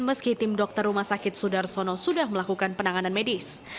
meski tim dokter rumah sakit sudarsono sudah melakukan penanganan medis